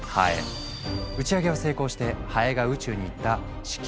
打ち上げは成功してハエが宇宙に行った地球初の生き物になった。